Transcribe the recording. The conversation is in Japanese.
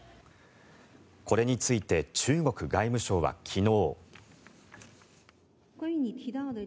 これについて、中国外務省は昨日。